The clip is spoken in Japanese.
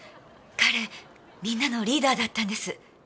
彼みんなのリーダーだったんです。